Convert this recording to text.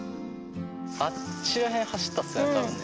あっちら辺、走ったっすよね。